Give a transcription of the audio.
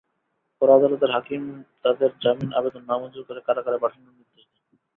পরে আদালতের হাকিম তাঁদের জামিন আবেদন নামঞ্জুর করে কারাগারে পাঠানো নির্দেশ দেন।